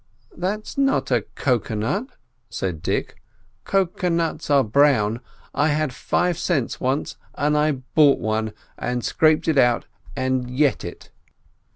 "That's not a cocoa nut," said Dick; "cocoa nuts are brown. I had five cents once an' I bought one, and scraped it out and y'et it."